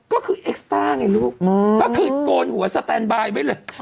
ก็คือเอ็กซ่าไงลูกก็คือโกนหัวสแตนบายไว้เลย